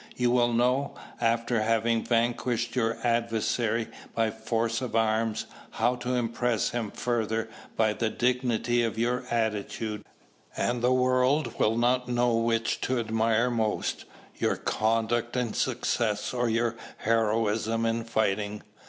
You will know, after having vanquished your adversary by force of arms, how to impress him further by the dignity of your attitude, and the world will not know which to admire most, your conduct in success or your heroism in fighting."